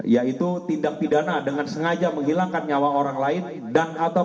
yaitu tindak pidana dengan sengaja menghilangkan nyawa orang lain